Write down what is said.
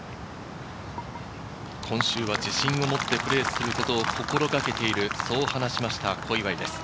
今週は自信を持ってプレーすることを心がけている、そう話しました、小祝です。